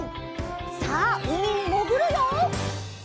さあうみにもぐるよ！